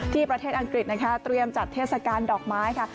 ประเทศอังกฤษนะคะเตรียมจัดเทศกาลดอกไม้ค่ะ